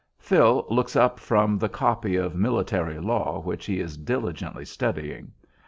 Phil looks up from the copy of "Military Law" which he is diligently studying.